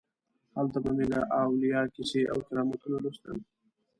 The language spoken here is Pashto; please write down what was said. هلته به مې د اولیاو کیسې او کرامتونه لوستل.